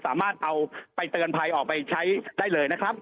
สามารถเอาไปเตือนภัยออกไปใช้ได้เลยนะครับ